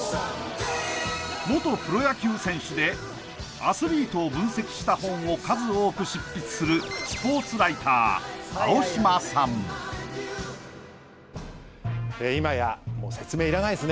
元プロ野球選手でアスリートを分析した本を数多く執筆する今やもう説明いらないです